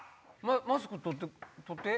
マスク取って。